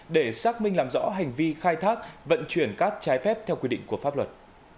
để xác minh làm rõ hành vi khai thác vận chuyển cát trái phép theo quy định của pháp luật